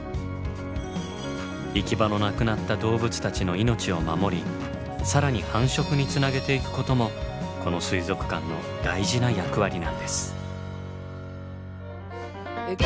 行き場のなくなった動物たちの命を守り更に繁殖につなげていくこともこの水族館の大事な役割なんです。